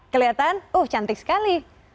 kelihatan oh cantik sekali